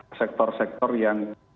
ee sektor sektor yang